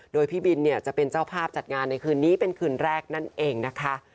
โดยพี่บินเนี่ยจะเป็นเจ้าภาพจัดงานในคืนนี้เป็นคืนแรกนั่นเองนะคะ